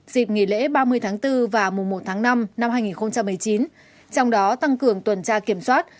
dịp nghỉ lễ ba mươi tháng bốn và mùa một tháng năm năm hai nghìn một mươi chín trong đó tăng cường tuần tra kiểm soát